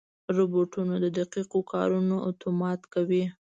روبوټونه د دقیقو کارونو اتومات کوي.